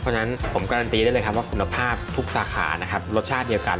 เพราะฉะนั้นผมการันตีได้เลยครับว่าคุณภาพทุกสาขานะครับรสชาติเดียวกัน